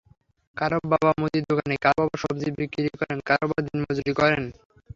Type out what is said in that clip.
কারও বাবা মুদিদোকানি, কারও বাবা সবজি বিক্রি করেন, কারও বাবা দিনমজুরি করেন।